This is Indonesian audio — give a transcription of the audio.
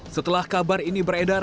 setelah kabar ini beredar